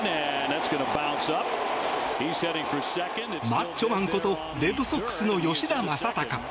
マッチョマンことレッドソックスの吉田正尚。